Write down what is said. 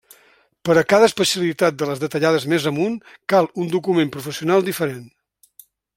Per a cada especialitat de les detallades més amunt cal un document professional diferent.